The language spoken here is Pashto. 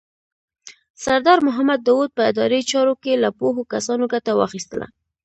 سردار محمد داود په اداري چارو کې له پوهو کسانو ګټه واخیستله.